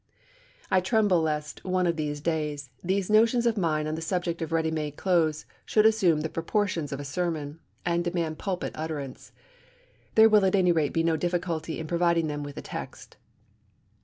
I tremble lest, one of these days, these notions of mine on the subject of ready made clothes should assume the proportions of a sermon, and demand pulpit utterance. There will at any rate be no difficulty in providing them with a text.